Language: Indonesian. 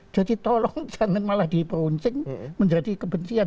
jadi tolong jangan malah diperuncing menjadi kebencian